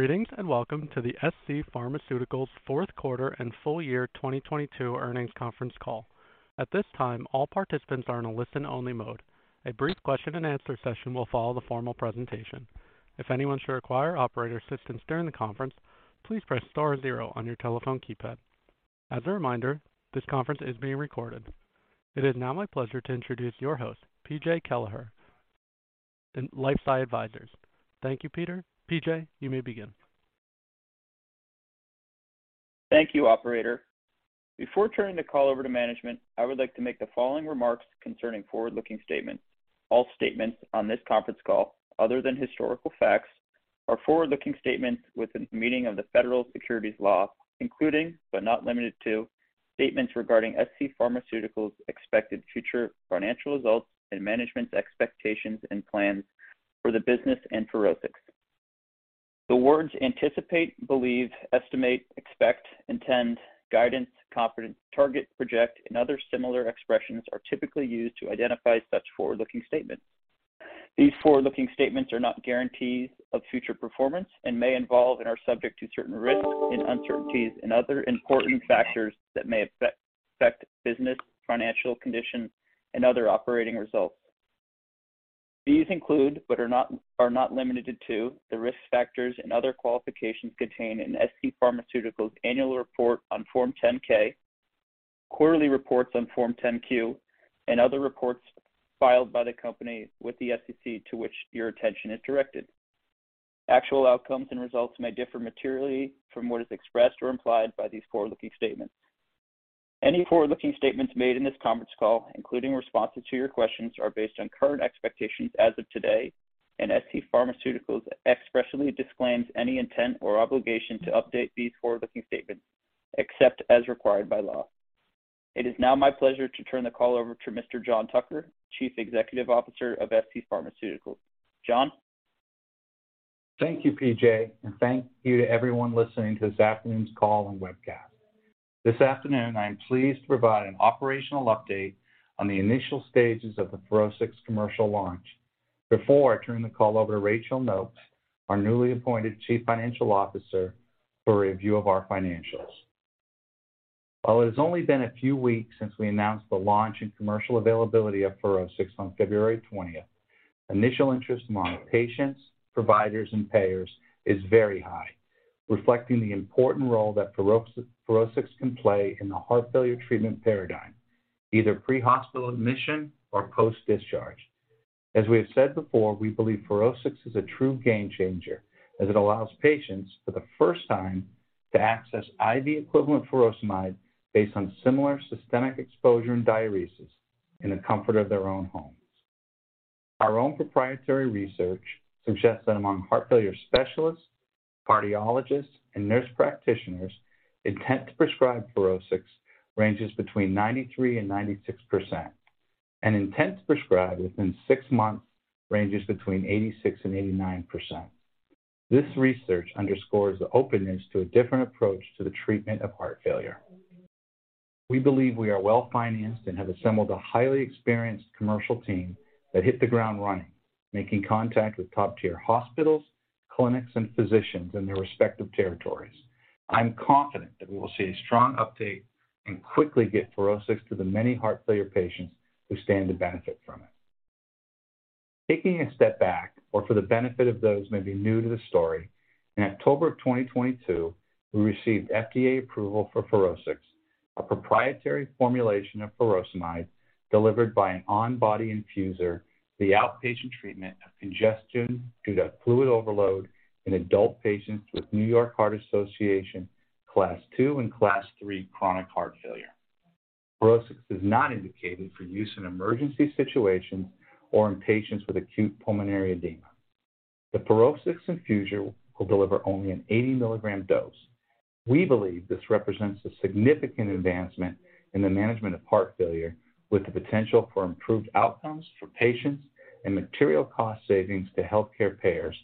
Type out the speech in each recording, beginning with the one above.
Greetings, welcome to the scPharmaceuticals' fourth quarter and full year 2022 earnings conference call. At this time, all participants are in a listen-only mode. A brief question and answer session will follow the formal presentation. If anyone should require operator assistance during the conference, please press star zero on your telephone keypad. As a reminder, this conference is being recorded. It is now my pleasure to introduce your host, PJ Kelleher and LifeSci Advisors. Thank you, Peter. PJ, you may begin. Thank you, operator. Before turning the call over to management, I would like to make the following remarks concerning forward-looking statements. All statements on this conference call, other than historical facts, are forward-looking statements within the meaning of the federal securities law, including but not limited to, statements regarding scPharmaceuticals' expected future financial results and management's expectations and plans for the business and FUROSCIX. The words anticipate, believe, estimate, expect, intend, guidance, confidence, target, project, and other similar expressions are typically used to identify such forward-looking statements. These forward-looking statements are not guarantees of future performance and may involve and are subject to certain risks and uncertainties and other important factors that may affect business, financial condition, and other operating results. These include, but are not limited to, the risk factors and other qualifications contained in scPharmaceuticals' annual report on Form 10-K, quarterly reports on Form 10-Q, and other reports filed by the company with the SEC to which your attention is directed. Actual outcomes and results may differ materially from what is expressed or implied by these forward-looking statements. Any forward-looking statements made in this conference call, including responses to your questions, are based on current expectations as of today. scPharmaceuticals expressly disclaims any intent or obligation to update these forward-looking statements, except as required by law. It is now my pleasure to turn the call over to Mr. John Tucker, Chief Executive Officer of scPharmaceuticals. John? Thank you, PJ, and thank you to everyone listening to this afternoon's call and webcast. This afternoon, I am pleased to provide an operational update on the initial stages of the FUROSCIX commercial launch. Before I turn the call over to Rachael Nokes, our newly appointed Chief Financial Officer, for a review of our financials. While it has only been a few weeks since we announced the launch and commercial availability of FUROSCIX on February 20th, initial interest among patients, providers, and payers is very high, reflecting the important role that FUROSCIX can play in the heart failure treatment paradigm, either pre-hospital admission or post-discharge. As we have said before, we believe FUROSCIX is a true game changer as it allows patients, for the first time, to access IV equivalent furosemide based on similar systemic exposure and diuresis in the comfort of their own homes. Our own proprietary research suggests that among heart failure specialists, cardiologists, and nurse practitioners, intent to prescribe FUROSCIX ranges between 93% and 96%. Intent to prescribe within six months ranges between 86% and 89%. This research underscores the openness to a different approach to the treatment of heart failure. We believe we are well-financed and have assembled a highly experienced commercial team that hit the ground running, making contact with top-tier hospitals, clinics, and physicians in their respective territories. I'm confident that we will see a strong update and quickly get FUROSCIX to the many heart failure patients who stand to benefit from it. Taking a step back or for the benefit of those may be new to the story, in October of 2022, we received FDA approval for FUROSCIX, a proprietary formulation of furosemide delivered by an on-body infuser, the outpatient treatment of congestion due to fluid overload in adult patients with New York Heart Association Class II and Class III chronic heart failure. FUROSCIX is not indicated for use in emergency situations or in patients with acute pulmonary edema. The FUROSCIX infuser will deliver only an 80 mg dose. We believe this represents a significant advancement in the management of heart failure, with the potential for improved outcomes for patients and material cost savings to healthcare payers,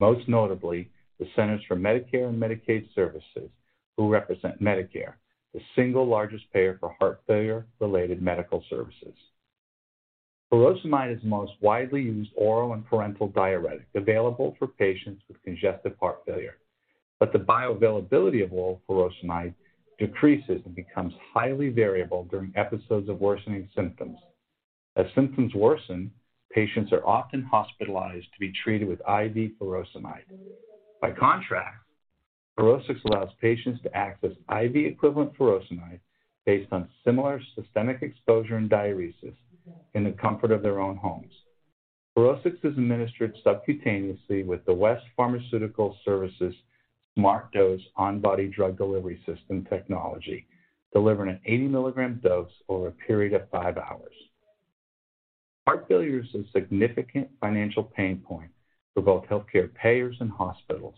most notably the Centers for Medicare and Medicaid Services, who represent Medicare, the single largest payer for heart failure-related medical services. Furosemide is the most widely used oral and parenteral diuretic available for patients with congestive heart failure. The bioavailability of oral furosemide decreases and becomes highly variable during episodes of worsening symptoms. As symptoms worsen, patients are often hospitalized to be treated with IV furosemide. By contrast, FUROSCIX allows patients to access IV equivalent furosemide based on similar systemic exposure and diuresis in the comfort of their own homes. FUROSCIX is administered subcutaneously with the West Pharmaceutical Services SmartDose on-body drug delivery system technology, delivering an 80 mg dose over a period of five hours. Heart failure is a significant financial pain point for both healthcare payers and hospitals.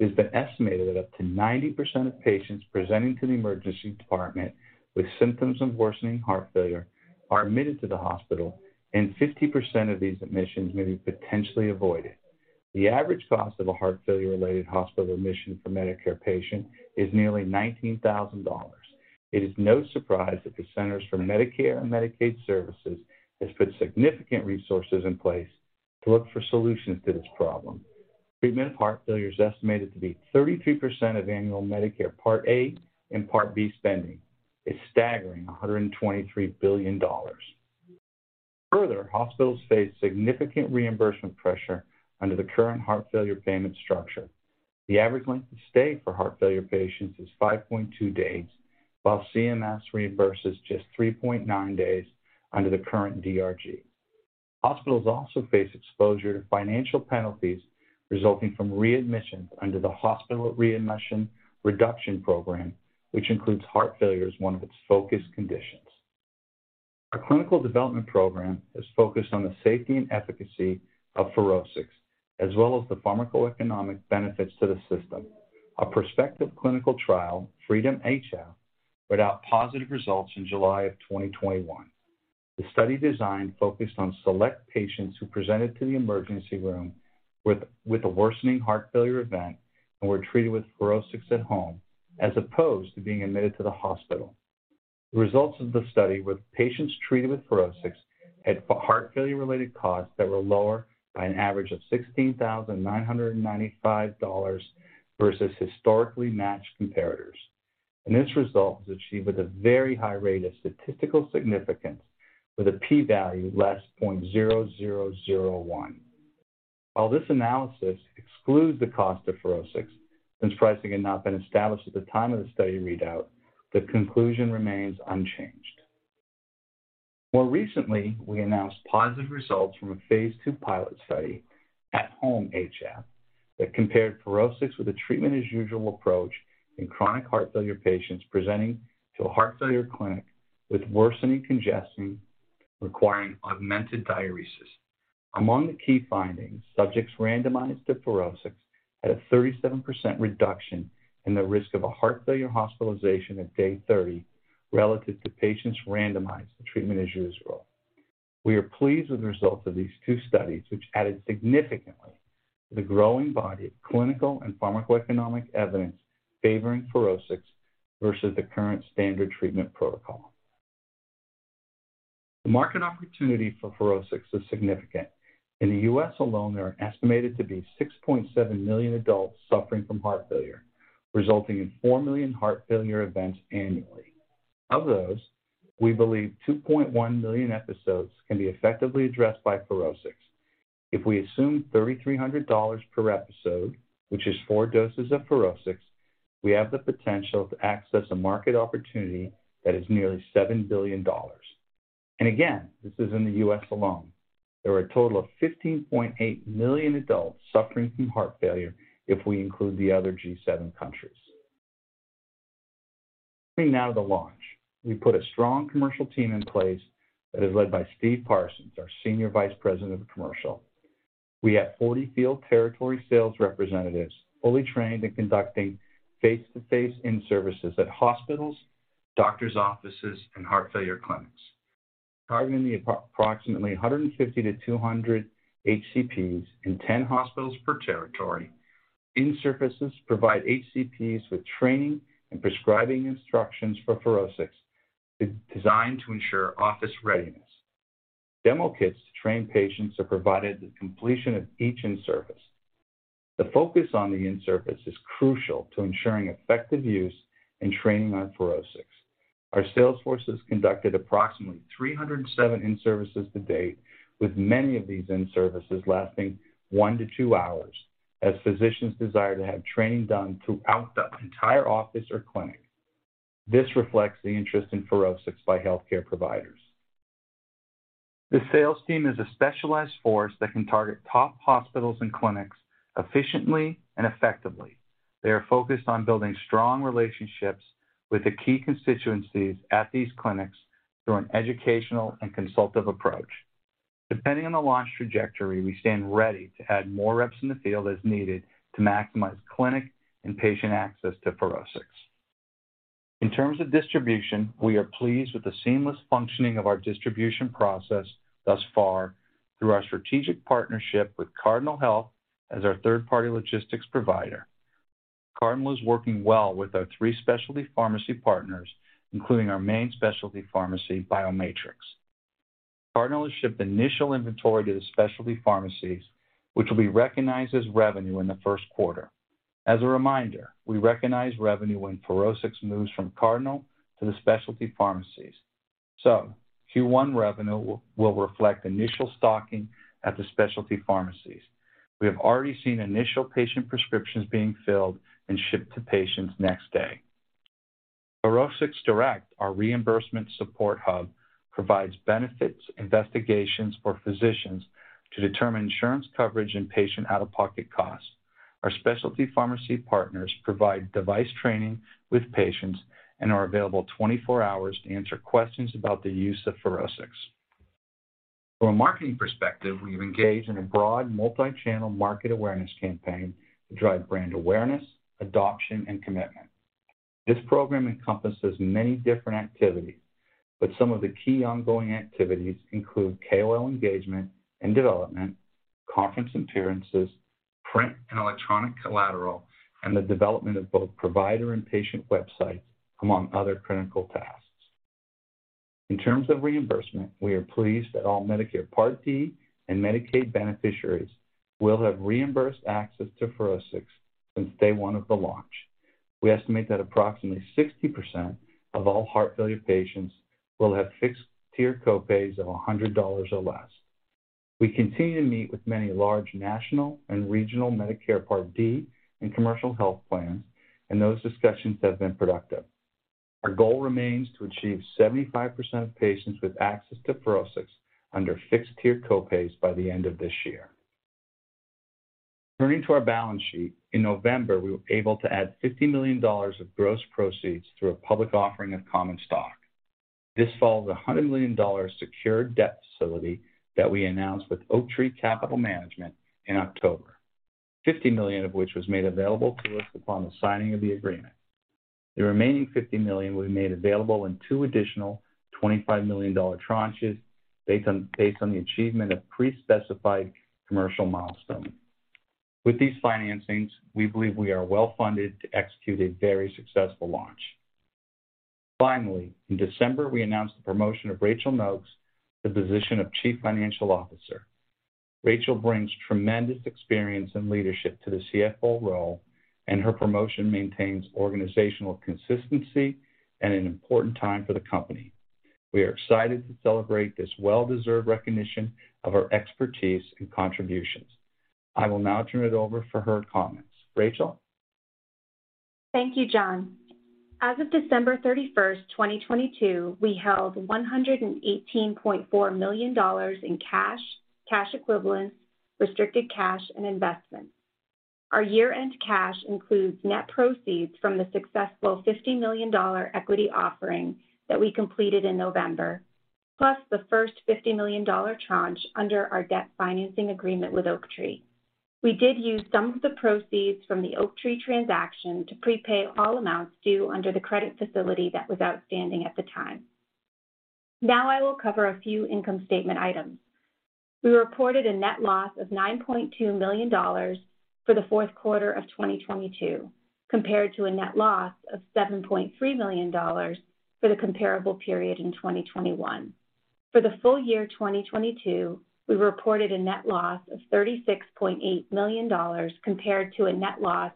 It's been estimated that up to 90% of patients presenting to the emergency department with symptoms of worsening heart failure are admitted to the hospital, and 50% of these admissions may be potentially avoided. The average cost of a heart failure-related hospital admission for Medicare patients is nearly $19,000. It is no surprise that the Centers for Medicare and Medicaid Services has put significant resources in place to look for solutions to this problem. Treatment of heart failure is estimated to be 32% of annual Medicare Part A and Part B spending. A staggering $123 billion. Hospitals face significant reimbursement pressure under the current heart failure payment structure. The average length of stay for heart failure patients is 5.2 days, while CMS reimburses just 3.9 days under the current DRG. Hospitals also face exposure to financial penalties resulting from readmissions under the Hospital Readmissions Reduction Program, which includes heart failure as one of its focus conditions. Our clinical development program is focused on the safety and efficacy of FUROSCIX, as well as the pharmacoeconomic benefits to the system. Our prospective clinical trial, FREEDOM-HF, read out positive results in July of 2021. The study design focused on select patients who presented to the emergency room with a worsening heart failure event and were treated with FUROSCIX at home, as opposed to being admitted to the hospital. The results of the study with patients treated with FUROSCIX had heart failure-related costs that were lower by an average of $16,995 versus historically matched comparators. This result is achieved with a very high rate of statistical significance with a p-value<0.0001. While this analysis excludes the cost of FUROSCIX, since pricing had not been established at the time of the study readout, the conclusion remains unchanged. More recently, we announced positive results from a phase II pilot study, AT HOME-HF, that compared FUROSCIX with a treatment as usual approach in chronic heart failure patients presenting to a heart failure clinic with worsening congestion requiring augmented diuresis. Among the key findings, subjects randomized to FUROSCIX had a 37% reduction in the risk of a heart failure hospitalization at day 30 relative to patients randomized to treatment as usual. We are pleased with the results of these two studies, which added significantly to the growing body of clinical and pharmacoeconomic evidence favoring FUROSCIX versus the current standard treatment protocol. The market opportunity for FUROSCIX is significant. In the U.S. alone, there are estimated to be 6.7 million adults suffering from heart failure, resulting in 4 million heart failure events annually. Of those, we believe 2.1 million episodes can be effectively addressed by FUROSCIX. If we assume $3,300 per episode, which is four doses of FUROSCIX, we have the potential to access a market opportunity that is nearly $7 billion. Again, this is in the U.S. alone. There are a total of 15.8 million adults suffering from heart failure if we include the other G7 countries. Turning now to the launch. We put a strong commercial team in place that is led by Steve Parsons, our Senior Vice President of Commercial. We have 40 field territory sales representatives, fully trained in conducting face-to-face in-services at hospitals, doctor's offices, and heart failure clinics. Targeting approximately 150 HCPs-200 HCPs in 10 hospitals per territory, in-services provide HCPs with training and prescribing instructions for FUROSCIX. It's designed to ensure office readiness. Demo kits to train patients are provided at completion of each in-service. The focus on the in-service is crucial to ensuring effective use and training on FUROSCIX. Our sales force has conducted approximately 307 in-services to date, with many of these in-services lasting one to two hours as physicians desire to have training done throughout the entire office or clinic. This reflects the interest in FUROSCIX by healthcare providers. The sales team is a specialized force that can target top hospitals and clinics efficiently and effectively. They are focused on building strong relationships with the key constituencies at these clinics through an educational and consultative approach. Depending on the launch trajectory, we stand ready to add more reps in the field as needed to maximize clinic and patient access to FUROSCIX. In terms of distribution, we are pleased with the seamless functioning of our distribution process thus far through our strategic partnership with Cardinal Health as our third-party logistics provider. Cardinal is working well with our three specialty pharmacy partners, including our main specialty pharmacy, BioMatrix. Cardinal has shipped initial inventory to the specialty pharmacies, which will be recognized as revenue in the first quarter. As a reminder, we recognize revenue when FUROSCIX moves from Cardinal to the specialty pharmacies. Q1 revenue will reflect initial stocking at the specialty pharmacies. We have already seen initial patient prescriptions being filled and shipped to patients next day. FUROSCIX Direct, our reimbursement support hub, provides benefits, investigations for physicians to determine insurance coverage and patient out-of-pocket costs. Our specialty pharmacy partners provide device training with patients and are available 24 hours to answer questions about the use of FUROSCIX. From a marketing perspective, we have engaged in a broad multi-channel market awareness campaign to drive brand awareness, adoption, and commitment. This program encompasses many different activities, but some of the key ongoing activities include KOL engagement and development, conference appearances, print and electronic collateral, and the development of both provider and patient websites, among other critical tasks. In terms of reimbursement, we are pleased that all Medicare Part D and Medicaid beneficiaries will have reimbursed access to FUROSCIX since day one of the launch. We estimate that approximately 60% of all heart failure patients will have fixed-tier co-pays of $100 or less. We continue to meet with many large national and regional Medicare Part D and commercial health plans, and those discussions have been productive. Our goal remains to achieve 75% of patients with access to FUROSCIX under fixed-tier co-pays by the end of this year. Turning to our balance sheet, in November, we were able to add $50 million of gross proceeds through a public offering of common stock. This follows a $100 million secured debt facility that we announced with Oaktree Capital Management in October, $50 million of which was made available to us upon the signing of the agreement. The remaining $50 million will be made available in two additional $25 million tranches based on the achievement of pre-specified commercial milestones. With these financings, we believe we are well-funded to execute a very successful launch. Finally, in December, we announced the promotion of Rachael Nokes to the position of Chief Financial Officer. Rachael brings tremendous experience and leadership to the CFO role, and her promotion maintains organizational consistency at an important time for the company. We are excited to celebrate this well-deserved recognition of her expertise and contributions. I will now turn it over for her comments. Rachael? Thank you, John. As of December 31st, 2022, we held $118.4 million in cash equivalents, restricted cash, and investments. Our year-end cash includes net proceeds from the successful $50 million equity offering that we completed in November, plus the first $50 million tranche under our debt financing agreement with Oaktree. We did use some of the proceeds from the Oaktree transaction to prepay all amounts due under the credit facility that was outstanding at the time. Now I will cover a few income statement items. We reported a net loss of $9.2 million for the fourth quarter of 2022, compared to a net loss of $7.3 million for the comparable period in 2021. For the full year 2022, we reported a net loss of $36.8 million compared to a net loss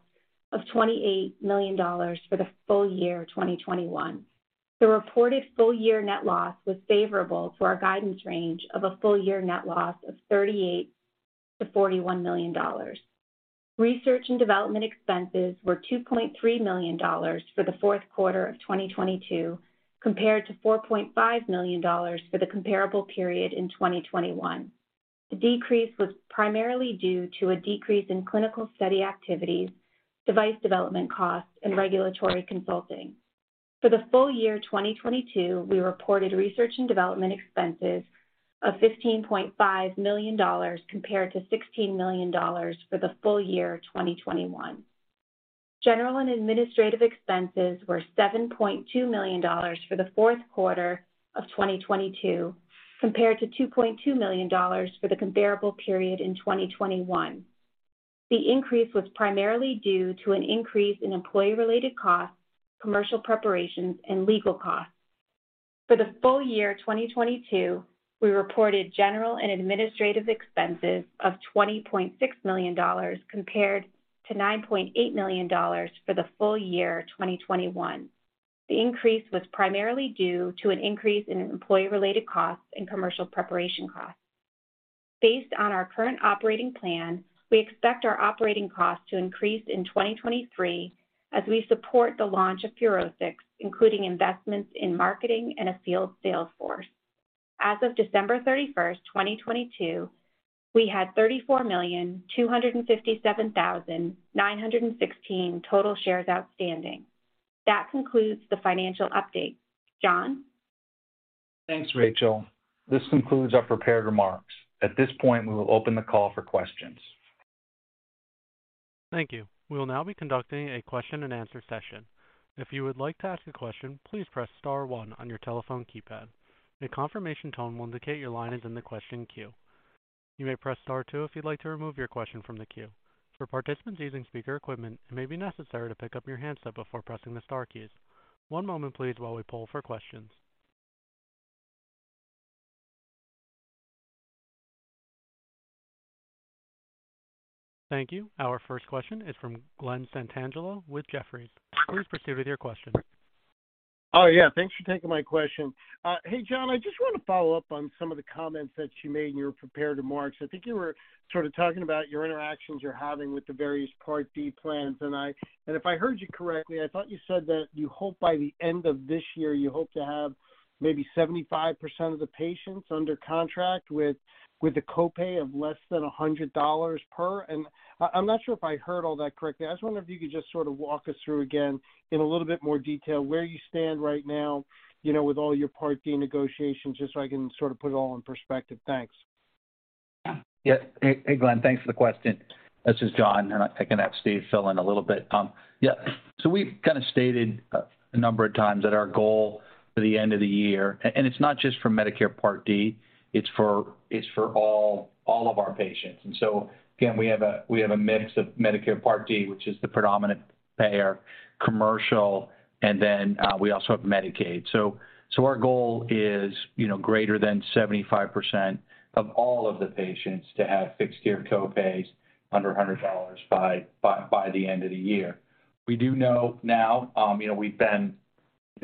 of $28 million for the full year of 2021. The reported full year net loss was favorable to our guidance range of a full year net loss of $38 million-$41 million. Research and development expenses were $2.3 million for the fourth quarter of 2022, compared to $4.5 million for the comparable period in 2021. The decrease was primarily due to a decrease in clinical study activities, device development costs, and regulatory consulting. For the full year 2022, we reported research and development expenses of $15.5 million compared to $16 million for the full year of 2021. General and administrative expenses were $7.2 million for the fourth quarter of 2022, compared to $2.2 million for the comparable period in 2021. The increase was primarily due to an increase in employee-related costs, commercial preparations, and legal costs. For the full year 2022, we reported general and administrative expenses of $20.6 million compared to $9.8 million for the full year of 2021. The increase was primarily due to an increase in employee-related costs and commercial preparation costs. Based on our current operating plan, we expect our operating costs to increase in 2023 as we support the launch of FUROSCIX, including investments in marketing and a field sales force. As of December 31st, 2022, we had 34,257,916 total shares outstanding. That concludes the financial update. John? Thanks, Rachael. This concludes our prepared remarks. At this point, we will open the call for questions. Thank you. We'll now be conducting a question and answer session. If you would like to ask a question, please press star one on your telephone keypad. A confirmation tone will indicate your line is in the question queue. You may press star two if you'd like to remove your question from the queue. For participants using speaker equipment, it may be necessary to pick up your handset before pressing the star keys. One moment please while we poll for questions. Thank you. Our first question is from Glen Santangelo with Jefferies. Please proceed with your question. Yeah. Thanks for taking my question. Hey, John, I just want to follow up on some of the comments that you made in your prepared remarks. I think you were sort of talking about your interactions you're having with the various Part D plans. If I heard you correctly, I thought you said that you hope by the end of this year you hope to have maybe 75% of the patients under contract with a copay of less than $100 per. I'm not sure if I heard all that correctly. I was wondering if you could just sort of walk us through again in a little bit more detail where you stand right now, you know, with all your Part D negotiations, just so I can sort of put it all in perspective? Thanks. Hey, Glen. Thanks for the question. This is John. I can have Steve fill in a little bit. We've kinda stated a number of times that our goal for the end of the year. It's not just for Medicare Part D, it's for all of our patients. Again, we have a mix of Medicare Part D, which is the predominant payer, commercial, then we also have Medicaid. Our goal is, you know, greater than 75% of all of the patients to have fixed tier co-pays under $100 by the end of the year. We do know now, you know, we've been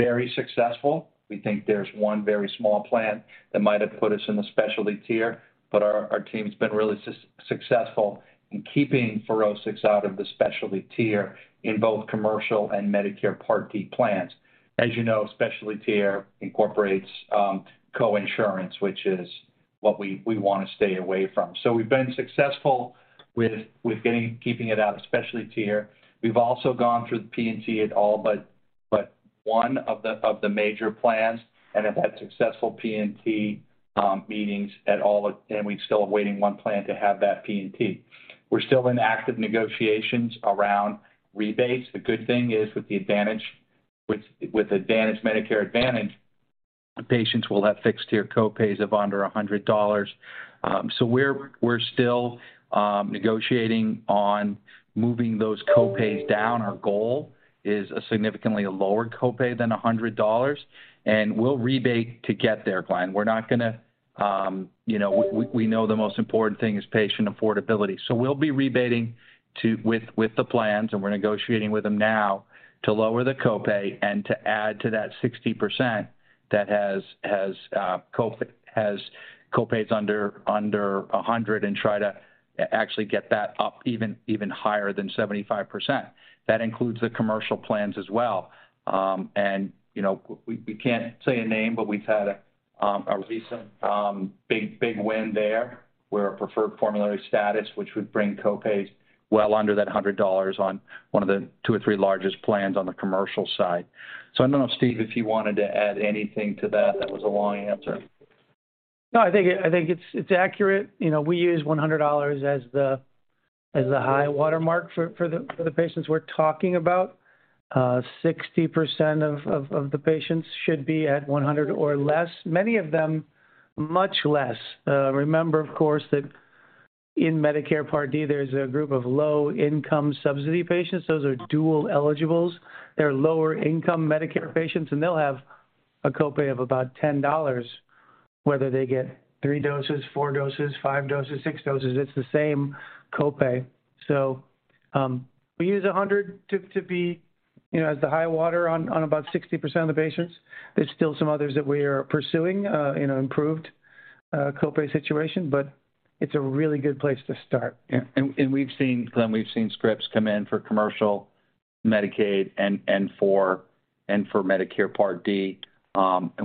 very successful. We think there's one very small plan that might have put us in the specialty tier, but our team's been really successful in keeping FUROSCIX out of the specialty tier in both commercial and Medicare Part D plans. As you know, specialty tier incorporates co-insurance, which is what we wanna stay away from. So we've been successful with keeping it out of specialty tier. We've also gone through the P&T at all but one of the major plans and have had successful P&T meetings at all of. We're still awaiting one plan to have that P&T. We're still in active negotiations around rebates. The good thing is with Medicare Advantage, the patients will have fixed tier co-pays of under $100. We're still negotiating on moving those co-pays down. Our goal is a significantly lower co-pay than $100. We'll rebate to get there, Glen. We're not gonna, you know. We know the most important thing is patient affordability. We'll be rebating with the plans, and we're negotiating with them now to lower the co-pay and to add to that 60% that has co-pays under $100 and try to actually get that up even higher than 75%. That includes the commercial plans as well. You know, we can't say a name, but we've had a recent big win there. We're a preferred formulary status, which would bring co-pays well under that $100 on one of the two or three largest plans on the commercial side. I don't know, Steve, if you wanted to add anything to that. That was a long answer. No, I think it's accurate. You know, we use $100 as the high watermark for the patients we're talking about. 60% of the patients should be at 100 or less. Many of them, much less. Remember, of course, that in Medicare Part D, there's a group of low-income subsidy patients, those are dual eligibles. They're lower-income Medicare patients, they'll have a co-pay of about $10 whether they get three doses, four doses, five doses, six doses. It's the same co-pay. We use $100 to be, you know, as the high water on about 60% of the patients. There's still some others that we are pursuing, you know, improved co-pay situation, it's a really good place to start. Yeah. we've seen, Glenn, we've seen scripts come in for commercial Medicaid and for Medicare Part D.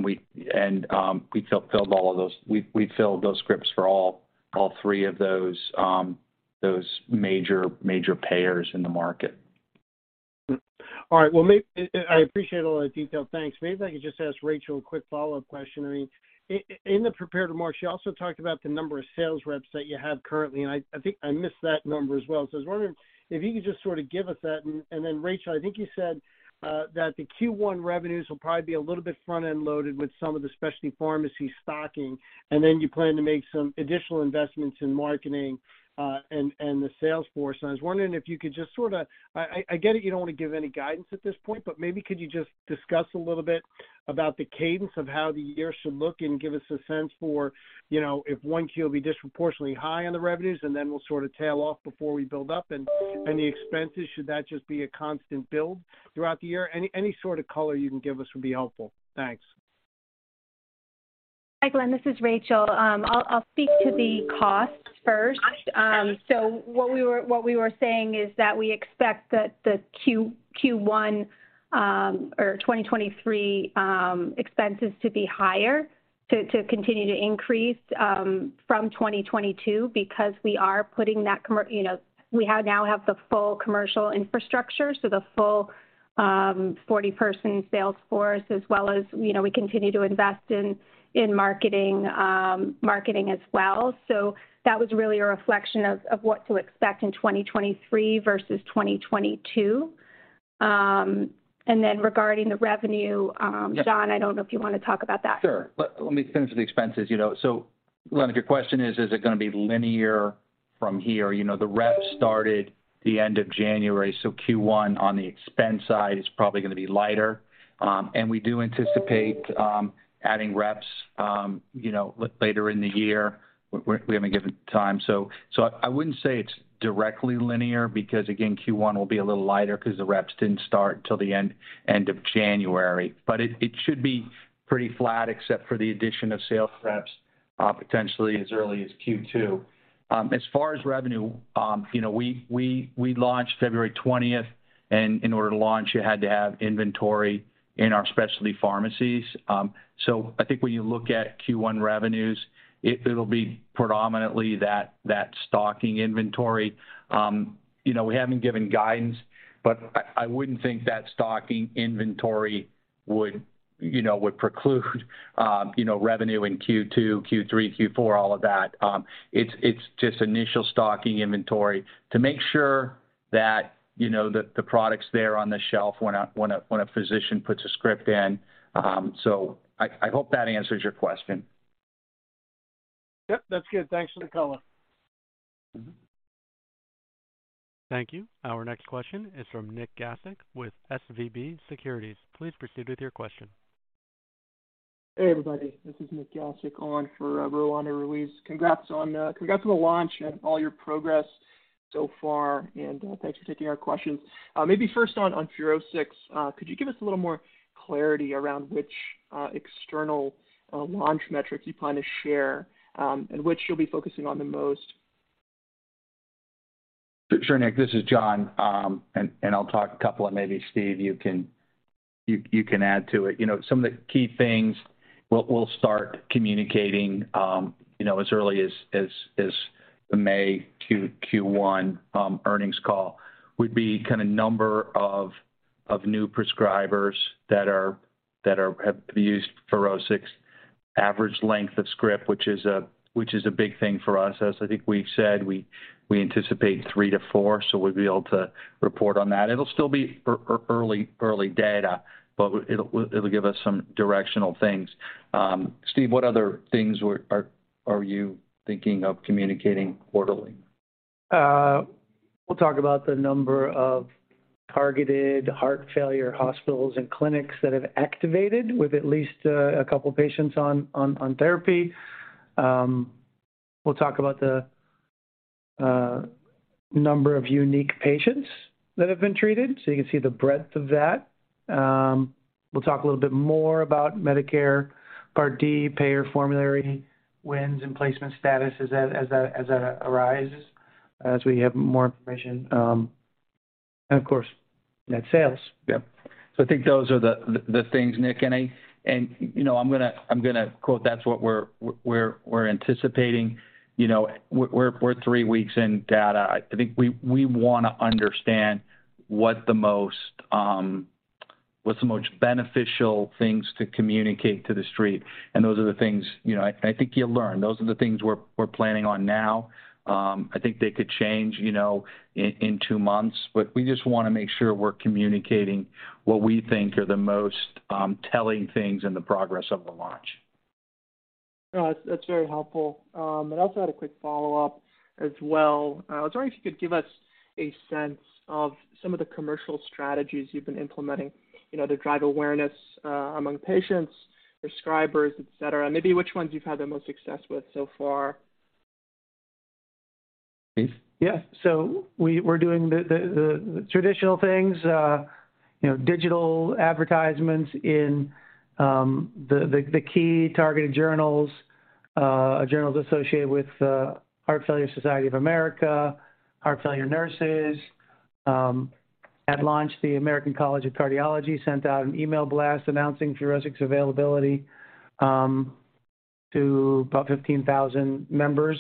we filled all of those. We filled those scripts for all three of those major payers in the market. All right. Well, and I appreciate all the detail, thanks. Maybe I could just ask Rachael a quick follow-up question. I mean, in the prepared remarks, you also talked about the number of sales reps that you have currently, and I think I missed that number as well. I was wondering if you could just sort of give us that. Then Rachael, I think you said that the Q1 revenues will probably be a little bit front-end loaded with some of the specialty pharmacy stocking, and then you plan to make some additional investments in marketing, and the sales force. I was wondering if you could just sorta. I get it, you don't wanna give any guidance at this point, but maybe could you just discuss a little bit about the cadence of how the year should look and give us a sense for, you know, if 1Q will be disproportionately high on the revenues and then will sort of tail off before we build up? The expenses, should that just be a constant build throughout the year? Any sort of color you can give us would be helpful. Thanks. Hi, Glen. This is Rachael. I'll speak to the costs first. What we were saying is that we expect the Q1 or 2023 expenses to be higher, to continue to increase from 2022 because we are putting that you know, we now have the full commercial infrastructure, so the full 40-person sales force, as well as, you know, we continue to invest in marketing as well. That was really a reflection of what to expect in 2023 versus 2022. Then regarding the revenue- Yeah John, I don't know if you wanna talk about that. Sure. Let me finish with the expenses. You know, Glen, if your question is it going to be linear from here? You know, the reps started the end of January, Q1 on the expense side is probably going to be lighter. We do anticipate adding reps, you know, later in the year. We haven't given time. I wouldn't say it's directly linear because, again, Q1 will be a little lighter because the reps didn't start till the end of January. It should be pretty flat except for the addition of sales reps, potentially as early as Q2. As far as revenue, you know, we launched February 20th, and in order to launch, you had to have inventory in our specialty pharmacies. I think when you look at Q1 revenues, it'll be predominantly that stocking inventory. You know, we haven't given guidance, but I wouldn't think that stocking inventory would, you know, would preclude, you know, revenue in Q2, Q3, Q4, all of that. It's just initial stocking inventory to make sure that, you know, the product's there on the shelf when a physician puts a script in. I hope that answers your question. Yep, that's good. Thanks for the color. Thank you. Our next question is from Nick Gasic with SVB Securities. Please proceed with your question. Hey, everybody. This is Nick Gasic on for Roanna Ruiz. Congrats on congrats on the launch and all your progress so far. Thanks for taking our questions. Maybe first on FUROSCIX, could you give us a little more clarity around which external launch metrics you plan to share and which you'll be focusing on the most? Sure, Nick, this is John. I'll talk a couple, and maybe Steve, you can add to it. You know, some of the key things we'll start communicating, you know, as early as the May Q1 earnings call, would be kinda number of new prescribers that have used FUROSCIX, average length of script, which is a big thing for us. As I think we've said, we anticipate three to four, so we'll be able to report on that. It'll still be early data, but it'll give us some directional things. Steve, what other things are you thinking of communicating quarterly? We'll talk about the number of targeted heart failure hospitals and clinics that have activated with at least a couple patients on therapy. We'll talk about the number of unique patients that have been treated, so you can see the breadth of that. We'll talk a little bit more about Medicare Part D payer formulary wins and placement status as that arises, as we have more information. Of course, net sales. Yeah. I think those are the things, Nick, and I. You know, I'm gonna quote that's what we're anticipating. You know, we're three weeks in data. I think we wanna understand what the most, what's the most beneficial things to communicate to the street, and those are the things, you know. I think you'll learn, those are the things we're planning on now. I think they could change, you know, in two months. We just wanna make sure we're communicating what we think are the most, telling things in the progress of the launch. That's very helpful. I also had a quick follow-up as well. I was wondering if you could give us a sense of some of the commercial strategies you've been implementing, you know, to drive awareness among patients, prescribers, et cetera, and maybe which ones you've had the most success with so far. Steve? Yeah. We're doing the traditional things, you know, digital advertisements in the key targeted journals associated with Heart Failure Society of America, heart failure nurses. At launch, the American College of Cardiology sent out an email blast announcing FUROSCIX availability to about 15,000 members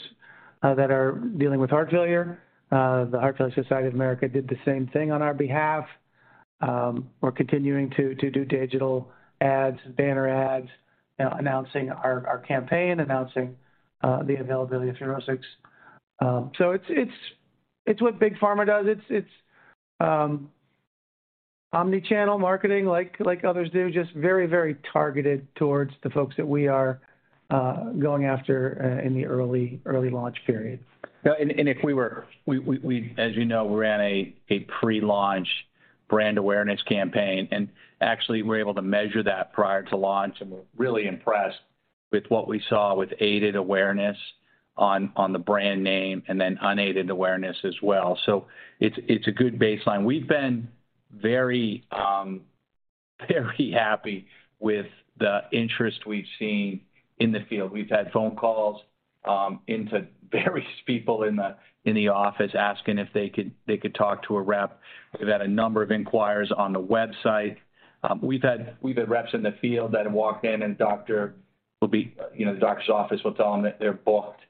that are dealing with heart failure. The Heart Failure Society of America did the same thing on our behalf. We're continuing to do digital ads, banner ads, announcing our campaign, announcing the availability of FUROSCIX. It's what big pharma does. It's omnichannel marketing like others do, just very, very targeted towards the folks that we are going after in the early launch period. As you know, we ran a pre-launch brand awareness campaign, and actually we were able to measure that prior to launch, and we're really impressed with what we saw with aided awareness on the brand name and then unaided awareness as well. It's a good baseline. We've been very happy with the interest we've seen in the field. We've had phone calls into various people in the office asking if they could talk to a rep. We've had a number of inquirers on the website. We've had reps in the field that have walked in and doctor will be, you know, the doctor's office will tell them that they're booked.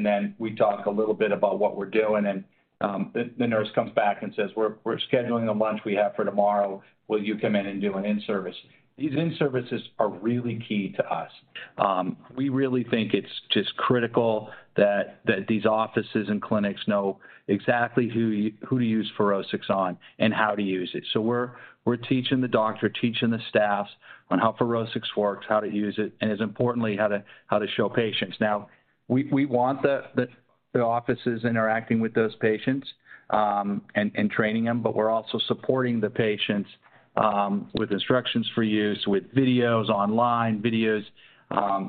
Then we talk a little bit about what we're doing, and the nurse comes back and says, "We're scheduling a lunch we have for tomorrow. Will you come in and do an in-service?" These in-services are really key to us. We really think it's just critical that these offices and clinics know exactly who to use FUROSCIX on and how to use it. We're teaching the doctor, teaching the staffs on how FUROSCIX works, how to use it, and as importantly, how to show patients. we want the offices interacting with those patients, and training them, but we're also supporting the patients, with instructions for use, with videos online, videos,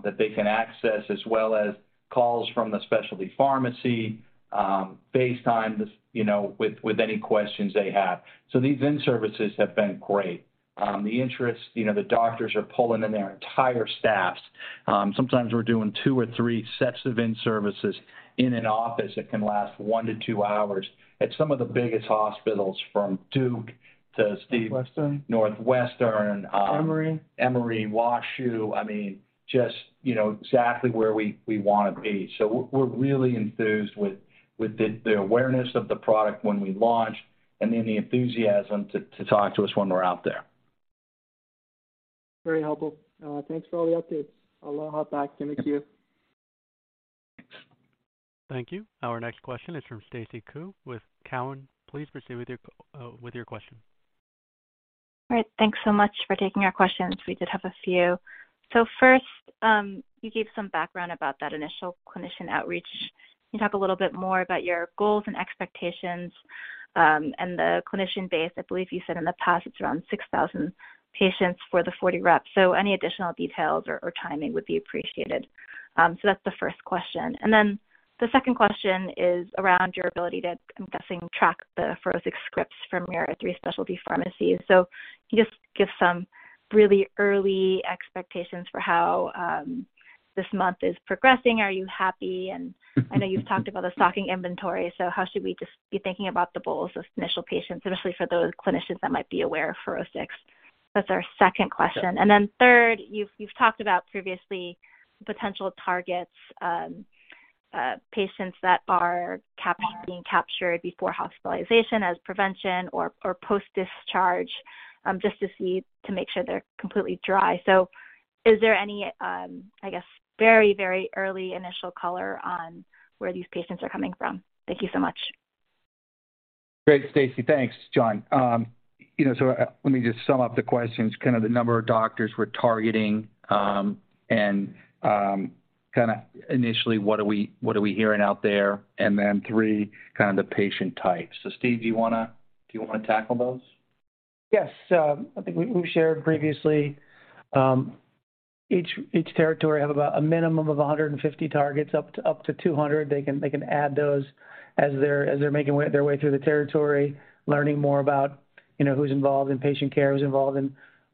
that they can access, as well as calls from the specialty pharmacy, based on the, you know, with any questions they have. These in-services have been great. The interest, you know, the doctors are pulling in their entire staffs. Sometimes we're doing two or three sets of in-services in an office that can last one to two hours at some of the biggest hospitals from Duke to Steve- Northwestern. Northwestern. Emory. Emory, WashU. I mean, just, you know, exactly where we wanna be. We're really enthused with the awareness of the product when we launch and then the enthusiasm to talk to us when we're out there. Very helpful. Thanks for all the updates. Aloha, back to McHugh. Thanks. Thank you. Our next question is from Stacy Ku with Cowen. Please proceed with your question. All right, thanks so much for taking our questions. We did have a few. First, you gave some background about that initial clinician outreach. Can you talk a little bit more about your goals and expectations and the clinician base? I believe you said in the past it's around 6,000 patients for the 40 reps, any additional details or timing would be appreciated. That's the first question. The second question is around your ability to, I'm guessing, track the FUROSCIX Rxs from your three specialty pharmacies. Can you just give some really early expectations for how this month is progressing? Are you happy? I know you've talked about the stocking inventory, so how should we just be thinking about the goals of initial patients, especially for those clinicians that might be aware of FUROSCIX? That's our second question. Then third, you've talked about previously potential targets, patients that are being captured before hospitalization as prevention or post-discharge, just to see to make sure they're completely dry. Is there any, I guess very, very early initial color on where these patients are coming from? Thank you so much. Great, Stacy. Thanks. John. you know, let me just sum up the questions, kind of the number of doctors we're targeting, and, kinda initially what are we hearing out there, and then three, kind of the patient type. Steve, do you wanna tackle those? Yes. I think we've shared previously, each territory have about a minimum of 150 targets up to 200. They can add those as they're making their way through the territory, learning more about, you know, who's involved in patient care, who's involved in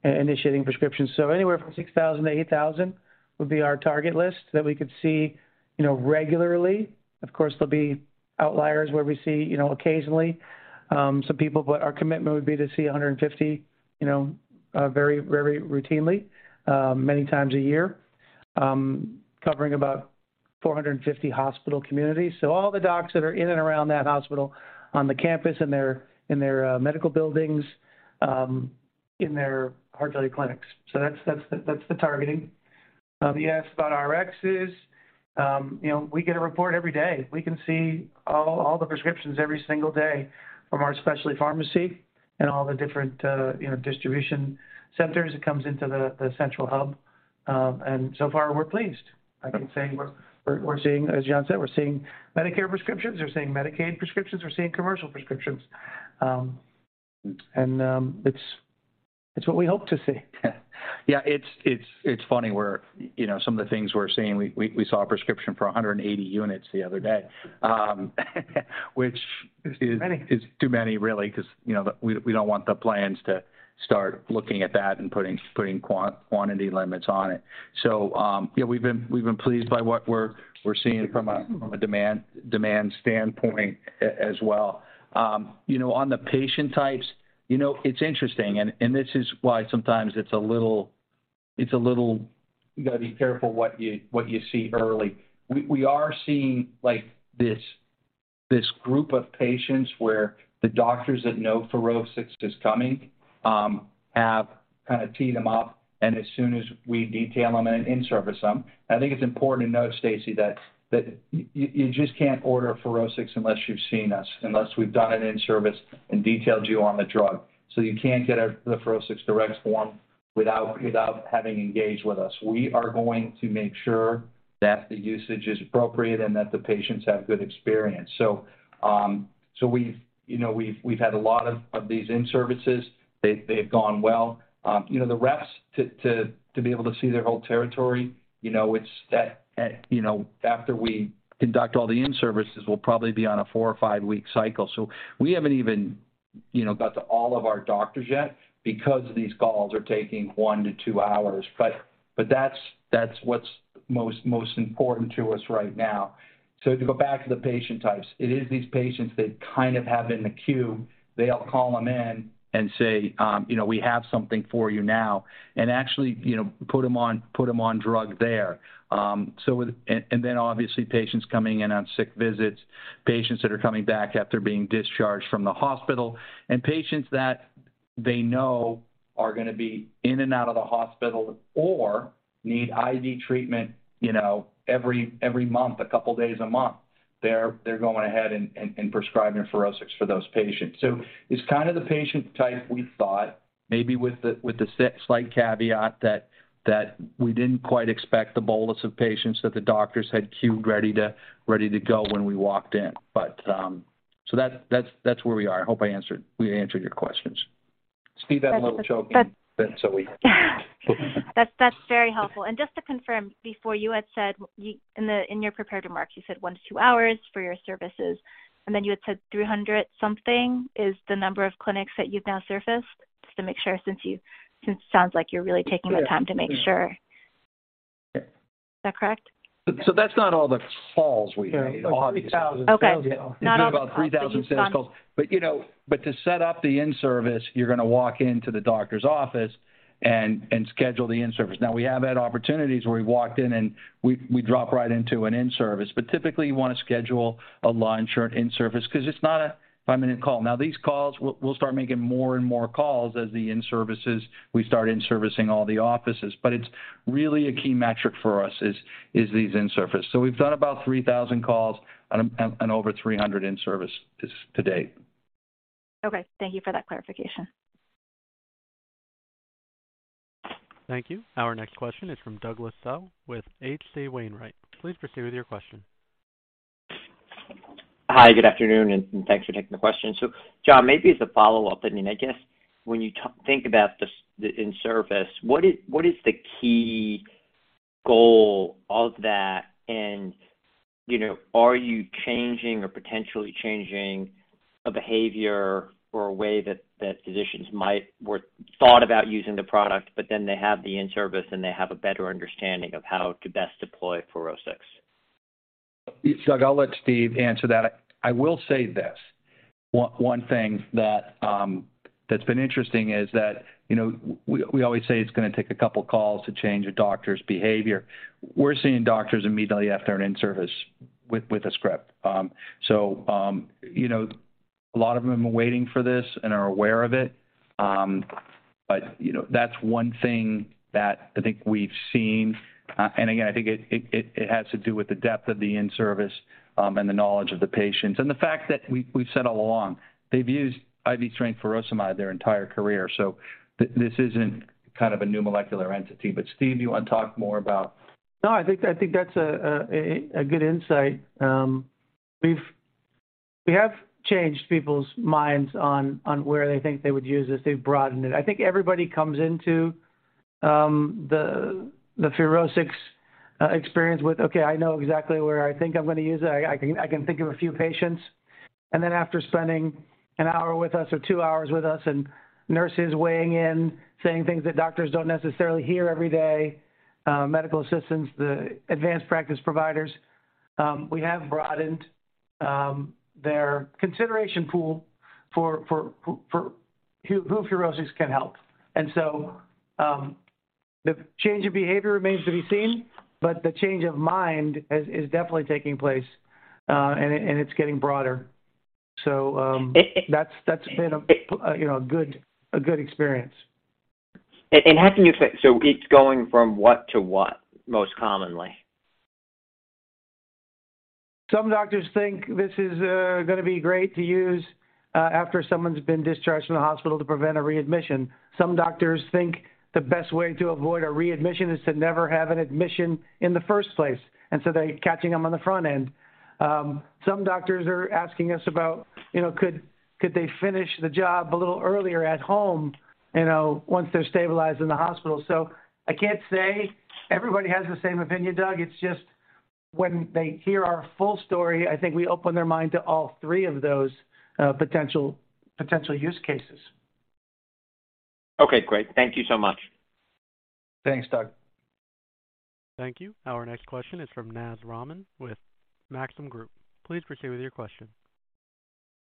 initiating prescriptions. Anywhere from 6,000 to 8,000 would be our target list that we could see, you know, regularly. Of course, there'll be outliers where we see, you know, occasionally, some people, but our commitment would be to see 150, you know, very, very routinely, many times a year, covering about 450 hospital communities. All the docs that are in and around that hospital on the campus, in their medical buildings, in their heart failure clinics. That's the targeting. You asked about our Rxs. You know, we get a report every day. We can see all the prescriptions every single day from our specialty pharmacy and all the different, you know, distribution centers. It comes into the central hub, and so far we're pleased. Like I'm saying, we're seeing, as John said, we're seeing Medicare prescriptions, we're seeing Medicaid prescriptions, we're seeing commercial prescriptions. It's what we hope to see. Yeah. It's funny where, you know, some of the things we're seeing, we saw a prescription for 180 units the other day. Too many Which is too many really, 'cause, you know, the, we don't want the plans to start looking at that and putting quantity limits on it. Yeah, we've been pleased by what we're seeing from a demand standpoint as well. You know, on the patient types, you know, it's interesting and this is why sometimes it's a little... You gotta be careful what you, what you see early. We are seeing like this group of patients where the doctors that know FUROSCIX is coming, have kinda teed them up and as soon as we detail them and in-service them, and I think it's important to note, Stacy, that you just can't order FUROSCIX unless you've seen us, unless we've done an in-service and detailed you on the drug. You can't get the FUROSCIX Direct form without having engaged with us. We are going to make sure that the usage is appropriate and that the patients have good experience. We've, you know, we've had a lot of these in-services. They have gone well. You know, the reps to be able to see their whole territory, you know, it's that, you know, after we conduct all the in-services, we'll probably be on a four or five-week cycle. We haven't even, you know, got to all of our doctors yet because these calls are taking one to two hours. That's what's most important to us right now. To go back to the patient types, it is these patients they kind of have in the queue. They'll call 'em in and say, you know, "We have something for you now," and actually, you know, put 'em on drug there. Obviously patients coming in on sick visits, patients that are coming back after being discharged from the hospital, and patients that they know are gonna be in and out of the hospital or need IV treatment, you know, every month, a couple days a month. They're going ahead and prescribing FUROSCIX for those patients. It's kind of the patient type we thought maybe with the slight caveat that we didn't quite expect the bolus of patients that the doctors had queued ready to go when we walked in. That's where we are. I hope we answered your questions. Steve had a little choking fit. That's very helpful. Just to confirm, before you had said in your prepared remarks, you said one to two hours for your services, and then you had said 300 something is the number of clinics that you've now surfaced. Just to make sure since it sounds like you're really taking the time to make sure. Is that correct? That's not all the calls we made, obviously. No, 3,000 sales calls. Okay. Not all the 3,000- We did about 3,000 sales calls. You know, to set up the in-service, you're gonna walk into the doctor's office and schedule the in-service. We have had opportunities where we walked in and we drop right into an in-service. Typically, you wanna schedule a line chart in-service 'cause it's not a five-minute call. These calls, we'll start making more and more calls as the in-services, we start in-servicing all the offices. It's really a key metric for us is these in-service. We've done about 3,000 calls and over 300 in-services to date. Okay. Thank you for that clarification. Thank you. Our next question is from Douglas Tsao with H.C. Wainwright. Please proceed with your question. Hi, good afternoon, and thanks for taking the question. John, maybe as a follow-up, I mean, I guess when you think about the in-service, what is the key goal of that? You know, are you changing or potentially changing a behavior or a way that physicians might or thought about using the product, but then they have the in-service and they have a better understanding of how to best deploy FUROSCIX? Doug, I'll let Steve answer that. I will say this. One thing that's been interesting is that, you know, we always say it's gonna take a couple calls to change a doctor's behavior. We're seeing doctors immediately after an in-service with a script. You know, a lot of them are waiting for this and are aware of it. You know, that's one thing that I think we've seen. And again, I think it has to do with the depth of the in-service, and the knowledge of the patients and the fact that we've said all along, they've used IV strength furosemide their entire career, so this isn't kind of a new molecular entity. Steve, you wanna talk more about? No, I think, I think that's a, a good insight. We have changed people's minds on where they think they would use this. They've broadened it. I think everybody comes into the FUROSCIX experience with, "Okay, I know exactly where I think I'm gonna use it. I can think of a few patients." Then after spending an hour with us or two hours with us and nurses weighing in, saying things that doctors don't necessarily hear every day, medical assistants, the advanced practice providers, we have broadened their consideration pool for who FUROSCIX can help. The change in behavior remains to be seen, but the change of mind has, is definitely taking place, and it, and it's getting broader. That's been a, you know, a good experience. How can you, it's going from what to what, most commonly? Some doctors think this is gonna be great to use after someone's been discharged from the hospital to prevent a readmission. Some doctors think the best way to avoid a readmission is to never have an admission in the first place, and so they're catching them on the front end. Some doctors are asking us about, you know, could they finish the job a little earlier at home, you know, once they're stabilized in the hospital. I can't say everybody has the same opinion, Doug. It's just when they hear our full story, I think we open their mind to all three of those potential use cases. Okay, great. Thank you so much. Thanks, Doug. Thank you. Our next question is from Naz Rahman with Maxim Group. Please proceed with your question.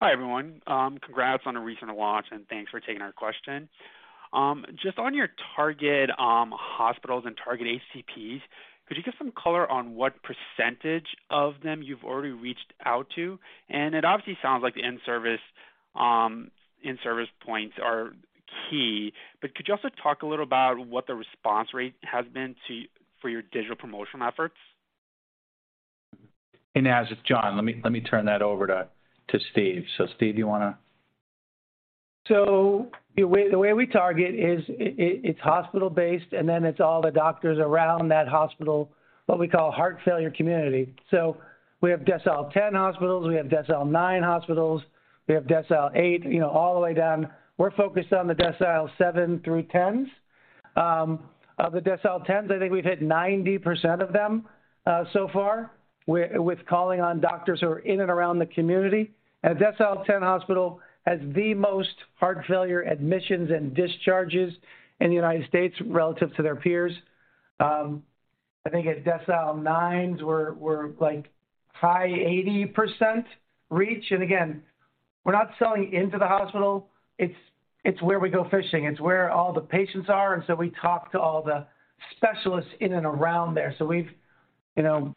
Hi, everyone. Congrats on a recent launch, and thanks for taking our question. Just on your target, hospitals and target ACPs, could you give some color on what percentage of them you've already reached out to? It obviously sounds like the in-service, in-service points are key, but could you also talk a little about what the response rate has been for your digital promotional efforts? Hey, Naz, it's John. Let me turn that over to Steve. Steve, you wanna? The way we target is it's hospital-based, and then it's all the doctors around that hospital, what we call heart failure community. We have decile 10 hospitals, we have decile nine hospitals, we have decile eight, you know, all the way down. We're focused on the decile seven through 10s. Of the decile 10s, I think we've hit 90% of them so far with calling on doctors who are in and around the community. A decile 10 hospital has the most heart failure admissions and discharges in the United States relative to their peers. I think at decile nines, we're like high 80% reach. Again, we're not selling into the hospital. It's where we go fishing. It's where all the patients are, we talk to all the specialists in and around there. We've You know,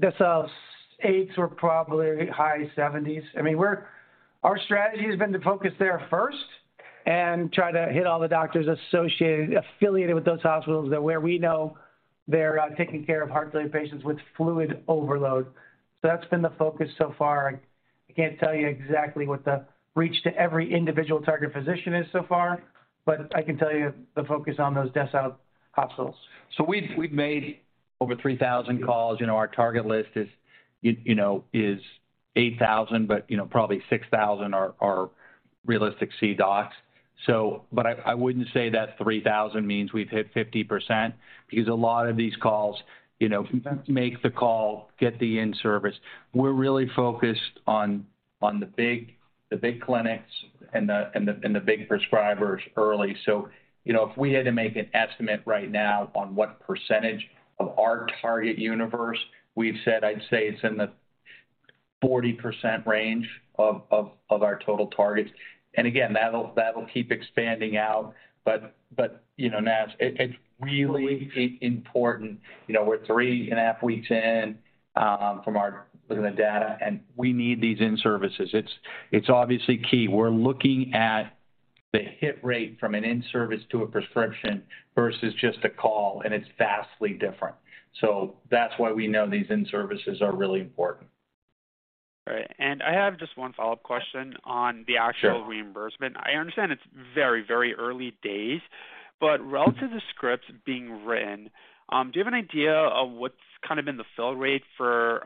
decile eights, we're probably high 70s. I mean, Our strategy has been to focus there first and try to hit all the doctors associated, affiliated with those hospitals that where we know they're taking care of heart failure patients with fluid overload. That's been the focus so far. I can't tell you exactly what the reach to every individual target physician is so far, but I can tell you the focus on those decile hospitals. We've made over 3,000 calls. You know, our target list is, you know, is 8,000 calls, but, you know, probably 6,000 calls are realistic C docs. I wouldn't say that 3,000 means we've hit 50% because a lot of these calls, you know, make the call, get the in-service. We're really focused on the big clinics and the big prescribers early. You know, if we had to make an estimate right now on what percentage of our target universe, we've said, I'd say it's in the 40% range of our total targets. Again, that'll keep expanding out. You know, Naz, it's really important. You know, we're three and a half weeks in from our looking at data, and we need these in-services. It's obviously key. We're looking at the hit rate from an in-service to a prescription versus just a call, and it's vastly different. That's why we know these in-services are really important. Right. I have just one follow-up question on the actual- Sure reimbursement. I understand it's very, very early days, but relative to scripts being written, do you have an idea of what's kind of been the fill rate for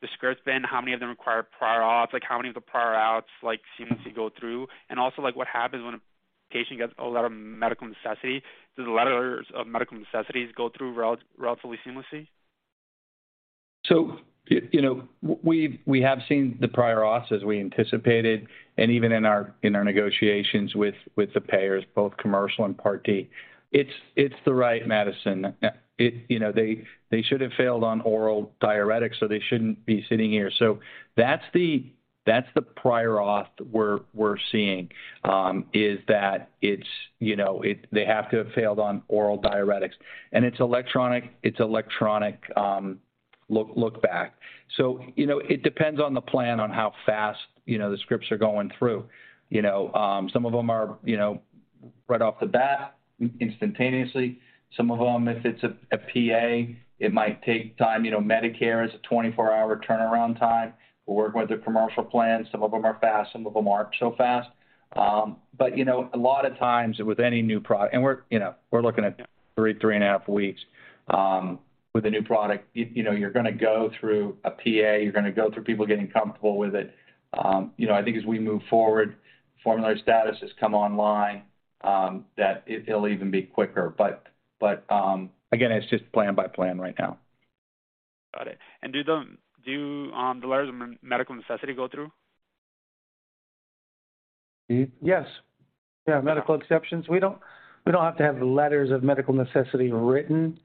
the scripts been? How many of them require prior auth? Like, how many of the prior auths, like, seems to go through? Also, like, what happens when a patient gets a letter of medical necessity? Do the letters of medical necessities go through relatively seamlessly? You know, we have seen the prior auths as we anticipated, and even in our negotiations with the payers, both commercial and Part D. It's the right medicine. You know, they should have failed on oral diuretics, so they shouldn't be sitting here. That's the prior auth we're seeing, is that it's, you know, they have to have failed on oral diuretics. It's electronic look-back. You know, it depends on the plan on how fast, you know, the scripts are going through. You know, some of them are, you know, right off the bat, instantaneously. Some of them, if it's a PA, it might take time. You know, Medicare is a 24-hour turnaround time. We're working with the commercial plans. Some of them are fast, some of them aren't so fast. You know, we're looking at three and a half weeks with a new product. You know, you're gonna go through a PA, you're gonna go through people getting comfortable with it. You know, I think as we move forward, formulary statuses come online, that it'll even be quicker. Again, it's just plan by plan right now. Got it. Do the letters of medical necessity go through? Yes. Yeah, medical exceptions. We don't have to have letters of medical necessity written.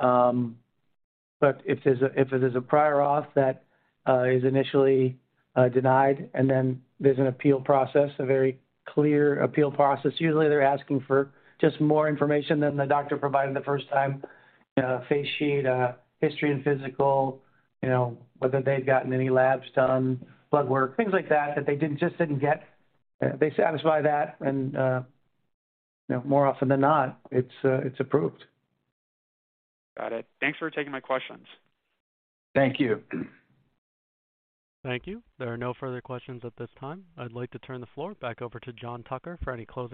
If there's a prior auth that is initially denied and then there's an appeal process, a very clear appeal process. Usually they're asking for just more information than the doctor provided the first time. You know, a face sheet, a history and physical, you know, whether they've gotten any labs done, blood work, things like that they just didn't get. They satisfy that and, you know, more often than not, it's approved. Got it. Thanks for taking my questions. Thank you. Thank you. There are no further questions at this time. I'd like to turn the floor back over to John Tucker for any closing remarks.